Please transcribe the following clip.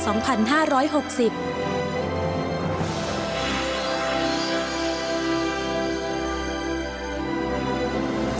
ฉบับวันที่๑๗ตุลาคมพุทธศักราช๒๕๖๐